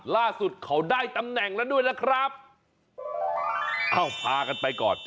ล่าสุดเขาได้ตำแหน่งแล้วด้วยนะครับเอ้าพากันไปก่อน